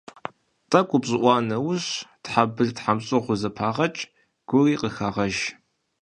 ТӀэкӀу упщӀыӀуа нэужь тхьэмбыл-тхьэмщӀыгъур зэпагъэкӀ, гури къыхагъэж.